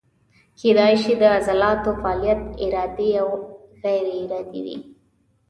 کیدای شي د عضلاتو فعالیت ارادي او یا غیر ارادي وي.